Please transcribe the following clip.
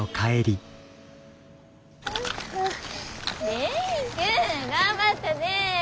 蓮くん頑張ったね。